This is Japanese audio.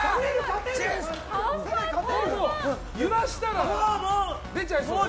揺らしたら出ちゃいそう。